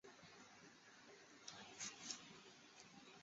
部分市民因此认为地铁在设计方面细节未能做好。